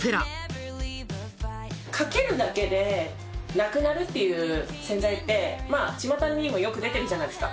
掛けるだけでなくなるっていう洗剤ってまあちまたにもよく出てるじゃないですか。